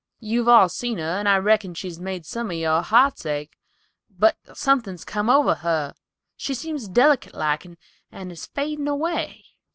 You've all seen her, and I reckon she's made some of your hearts ache; but something's come over her. She seems delicate like, and is fadin' away."